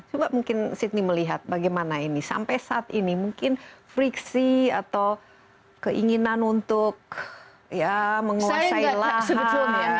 coba mungkin sydney melihat bagaimana ini sampai saat ini mungkin friksi atau keinginan untuk ya menguasai lahan